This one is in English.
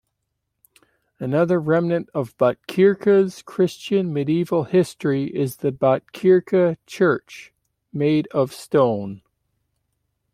Another remnant of Botkyrka's Christian medieval history is the Botkyrka church, made of stone.